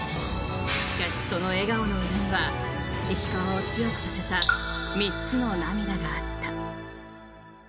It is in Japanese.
しかし、その笑顔の裏には石川を強くさせた３つの涙があった。